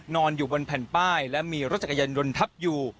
นอนอยู่บนแผ่นป้ายและมีรถจักรยานยนต์ทับอยู่